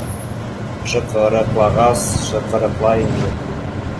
Шыҡырыҡлағас шыҡырыҡлай инде.